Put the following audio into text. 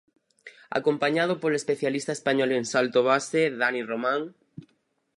Acompañado polo especialista español en salto base Dani Román.